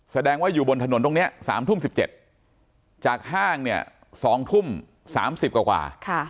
แสดงว่าอยู่บนถนนตรงนี้๓ทุ่ม๑๗จากห้างเนี่ย๒ทุ่ม๓๐กว่า